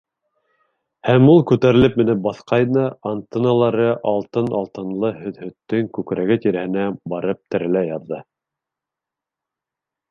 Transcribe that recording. Һәм ул күтәрелеп менеп баҫҡайны, антенналары Алты Алтынлы һөҙһөттөң күкрәге тирәһенә барып терәлә яҙҙы.